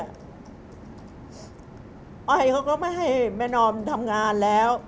เขาก็ไม่ให้แม่นอมทำงานแล้ว